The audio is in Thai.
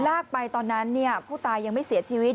ลากไปตอนนั้นผู้ตายยังไม่เสียชีวิต